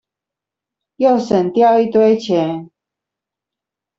又省掉一堆錢